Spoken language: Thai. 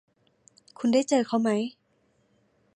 คุณได้เจอเขาไหม